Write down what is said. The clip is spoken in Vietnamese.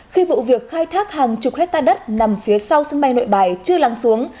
khi vụ việc khai thác hàng chục hecta đất nằm phía sau sân bay nội bài chưa lăng xuống